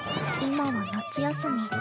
今は夏休み。